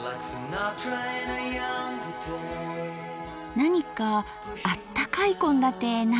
何かあったかい献立ないかな？